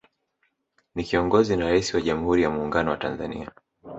Ni kiongozi na Rais wa Jamhuri ya Muungano wa Tanzania